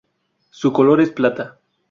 Su color es plata.